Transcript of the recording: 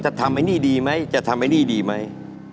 ทำไอ้นี่ดีไหมจะทำไอ้นี่ดีไหม